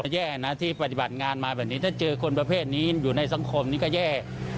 แย่นะที่ปฏิบัติงานมาแบบนี้ถ้าเจอคนประเภทนี้อยู่ในสังคมนี้ก็แย่